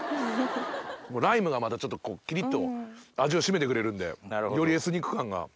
ライムがまたちょっとキリっと味を締めてくれるんでよりエスニック感が。